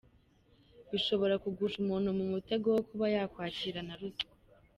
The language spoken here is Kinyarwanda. Bishobora kugusha umuntu mu mutego wo kuba yakwakira na ruswa.